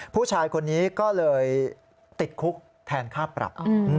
ผู้ชายคนนี้ก็เลยติดคุกแทนค่าปรับ